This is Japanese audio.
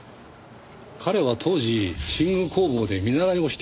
彼は当時新宮工房で見習いをしててね。